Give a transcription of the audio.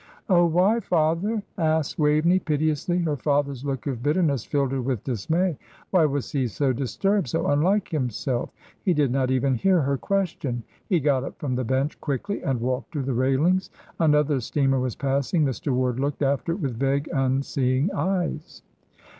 "Oh, why, father?" asked Waveney, piteously; her father's look of bitterness filled her with dismay. Why was he so disturbed, so unlike himself? He did not even hear her question. He got up from the bench quickly and walked to the railings. Another steamer was passing. Mr. Ward looked after it with vague, unseeing eyes.